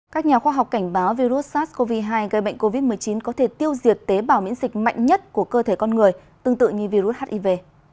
các nhà khoa học cảnh báo virus sars cov hai gây bệnh covid một mươi chín có thể tiêu diệt tế bào miễn dịch mạnh nhất của cơ thể con người tương tự như virus hiv